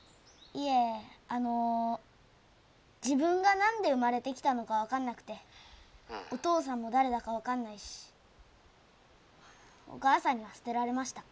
いえあの自分が何で生まれてきたのか分かんなくてお父さんも誰だか分かんないしお母さんには捨てられました。